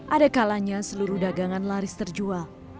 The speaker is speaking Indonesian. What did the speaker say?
ada kalanya seluruh dagangan laris terjual